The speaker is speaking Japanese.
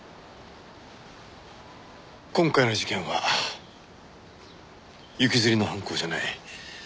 今回の事件は行きずりの犯行じゃない。